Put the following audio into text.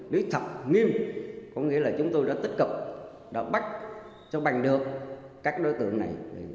đối tượng nghiêm có nghĩa là chúng tôi đã tích cực đã bắt cho bành được các đối tượng này